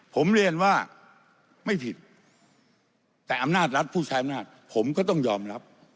ผมเรียนว่าไม่ผิดแต่อำนาจรัฐผู้ใช้อำนาจผมก็ต้องยอมรับ